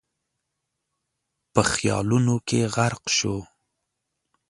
په خيالونو کې غرق شو.